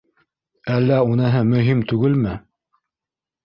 Әллә уныһы мөһим түгелме?